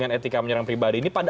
kalau misalnya kita berubah kembali